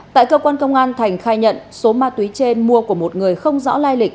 tại cơ quan công an thành khai nhận số ma túy trên mua của một người không rõ lai lịch